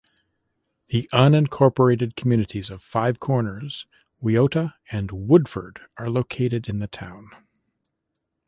The unincorporated communities of Five Corners, Wiota, and Woodford are located in the town.